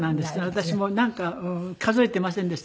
私もなんか数えていませんでしたけど。